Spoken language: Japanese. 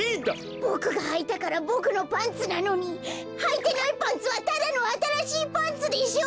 ボクがはいたからボクのパンツなのにはいてないパンツはただのあたらしいパンツでしょう！